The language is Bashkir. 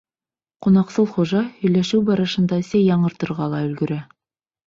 Ҡунаҡсыл хужа һөйләшеү барышында сәй яңыртырға ла өлгөрә.